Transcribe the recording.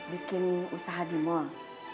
bikin usaha di mall